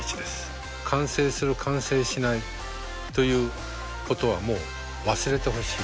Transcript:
完成する完成しないということはもう忘れてほしい。